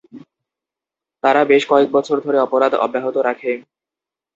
তারা বেশ কয়েক বছর ধরে অপরাধ অব্যাহত রাখে।